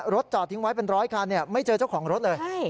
จอดทิ้งไว้เป็นร้อยคันไม่เจอเจ้าของรถเลย